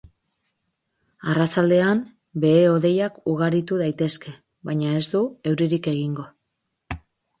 Arratsaldean behe-hodeiak ugaritu daitezke, baina ez du euririk egingo.